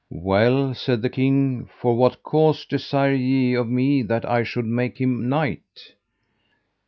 Well, said the king, for what cause desire ye that of me that I should make him knight?